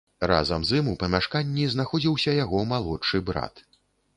Разам з ім у памяшканні знаходзіўся яго малодшы брат.